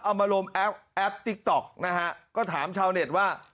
เอามาลงแอปแอปติ๊กต๊อกนะฮะก็ถามชาวเน็ตว่า